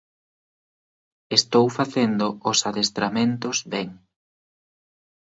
Estou facendo os adestramentos ben.